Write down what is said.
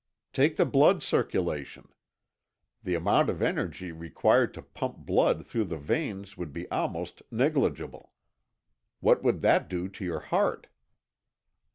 Take the blood circulation. The amount of energy required to pump blood through the veins would be almost negligible. What would that do to your heart?"